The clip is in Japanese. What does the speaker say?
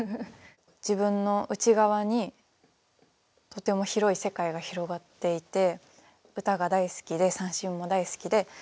自分の内側にとても広い世界が広がっていて歌が大好きで三線も大好きで。